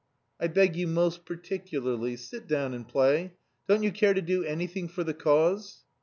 "I beg you most particularly, sit down and play. Don't you care to do anything for the cause?"